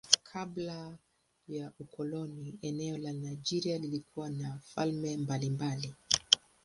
Kabla ya ukoloni eneo la Nigeria lilikuwa na falme mbalimbali.